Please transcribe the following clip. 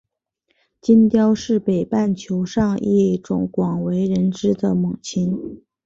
金雕是北半球上一种广为人知的猛禽。